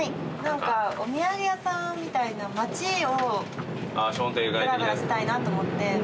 何かお土産屋さんみたいな街をぶらぶらしたいなと思って。